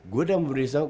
gue udah memberikan